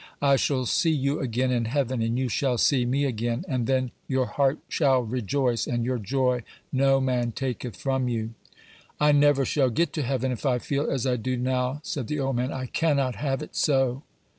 "I shall see you again in heaven, and you shall see me again; and then 'your heart shall rejoice, and your joy no man taketh from you.'" "I never shall get to heaven if I feel as I do now," said the old man. "I cannot have it so."